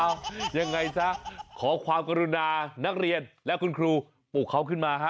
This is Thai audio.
ยังไงซะขอความกรุณานักเรียนและคุณครูปเขาขึ้นมาฮะ